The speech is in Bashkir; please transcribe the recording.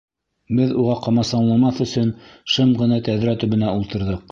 Беҙ уға ҡамасауламаҫ өсөн шым ғына тәҙрә төбөнә ултырҙыҡ.